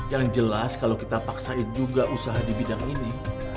yang jelas kalau kita paksain juga usaha di bidang ini